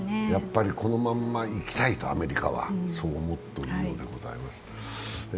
このまんまいきたいと、アメリカはそう思ってるようでございます。